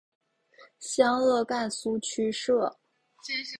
湘鄂赣苏区设。